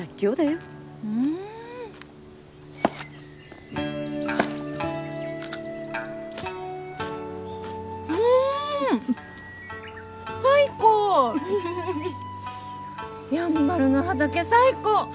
やんばるの畑最高！